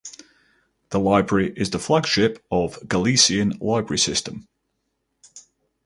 The library is the flagship of Galician library system.